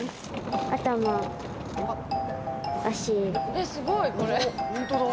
えっすごいこれ。